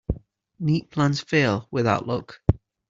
Neat plans fail without luck.